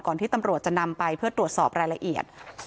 ที่ตำรวจจะนำไปเพื่อตรวจสอบรายละเอียด